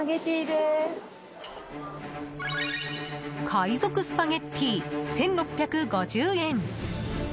海賊スパゲッティ、１６５０円。